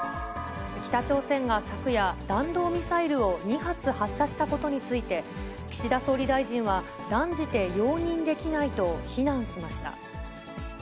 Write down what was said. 北朝鮮が昨夜、弾道ミサイルを２発発射したことについて、岸田総理大臣は断じて容認できないと非難しました。